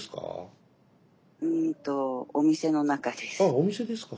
あお店ですか。